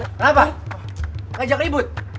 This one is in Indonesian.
kenapa ngajak ribut